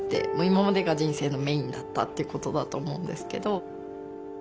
今までが人生のメインだったってことだと思うんですけど。